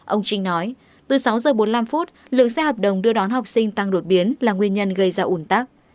ông trinh nói từ sáu giờ bốn mươi năm lượng xe hợp đồng đưa đón học sinh tăng đột biến là nguyên nhân gây ra ủn tắc